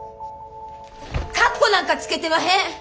かっこなんかつけてまへん！